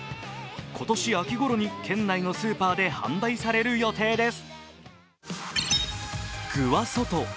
今年秋ごろに県内のスーパーで販売される予定です。